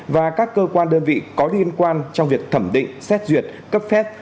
và các cơ quan đơn vị có liên quan trong việc thẩm định xét duyệt cấp phép